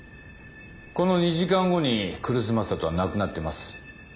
この２時間後に来栖正人は亡くなってます。